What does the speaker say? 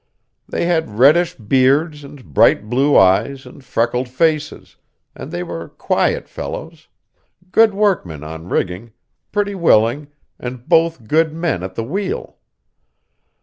They had reddish beards and bright blue eyes and freckled faces; and they were quiet fellows, good workmen on rigging, pretty willing, and both good men at the wheel.